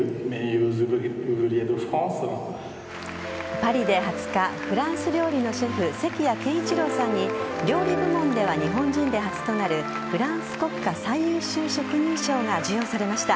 パリで２０日フランス料理のシェフ関谷健一朗さんに料理部門では日本人初となるフランス国家最優秀職人章が授与されました。